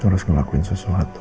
harus ngelakuin sesuatu